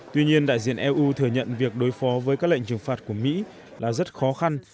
tuy nhiên đại diện eu thừa nhận việc đối phó với các lệnh trừng phạt của mỹ là rất khó khăn